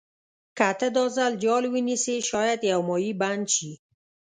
که ته دا ځل جال ونیسې شاید یو ماهي بند شي.